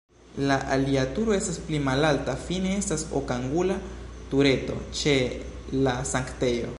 La alia turo estas pli malalta, fine estas okangula tureto ĉe la sanktejo.